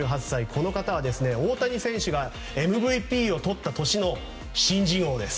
この方は大谷選手がＭＶＰを取った年の新人王です。